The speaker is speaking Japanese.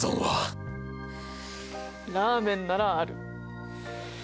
ラーメンならある。